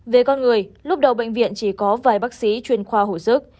về con người lúc đầu bệnh viện chỉ có vài bác sĩ chuyên khoa hồi sức